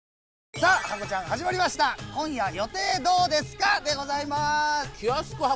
さあハコちゃん始まりました「今夜予定どうですか？」でございます